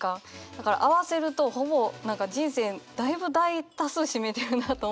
だから合わせるとほぼ人生だいぶ大多数占めてるなと思って。